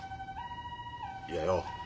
いやよう。